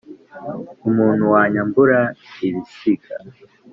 Umuntu wanyambura ibisiga